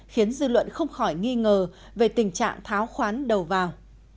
khiến dư luận không khỏi nghi ngờ về tình trạng tháo khoán đầu vào